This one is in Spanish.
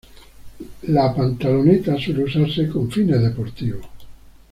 La pantaloneta suele usarse con fines deportivos.